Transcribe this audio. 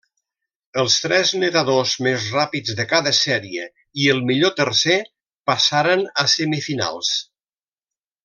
Els tres nedadors més ràpids de cada sèrie i el millor tercer passaren a semifinals.